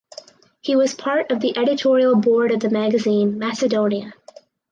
He was part of the editorial board of the magazine "Macedonia".